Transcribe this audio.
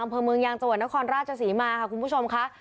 อำเภอเมืองยางจัวร์นครราชสีมาค่ะคุณผู้ชมค่ะ